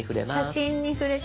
「写真」に触れた。